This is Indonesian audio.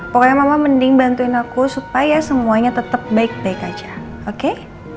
pokoknya mama mending bantuin aku supaya semuanya tetap baik baik aja oke